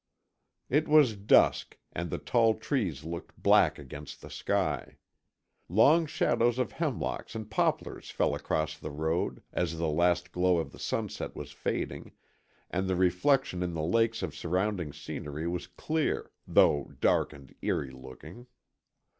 It was dusk, and the tall trees looked black against the sky. Long shadows of hemlocks and poplars fell across the road, as the last glow of the sunset was fading, and the reflection in the lakes of surrounding scenery was clear, though dark and eerie looking.